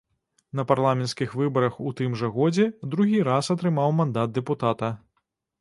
На парламенцкіх выбарах у тым жа годзе другі раз атрымаў мандат дэпутата.